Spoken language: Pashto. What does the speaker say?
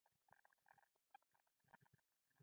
یوه پاکي چاړه راکړئ